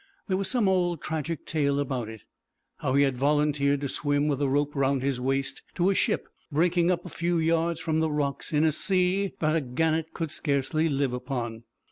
There was some old tragic tale about it, how he had volunteered to swim with a rope round his waist to a ship breaking up a few yards from the rocks in a sea that a gannet could scarcely live upon.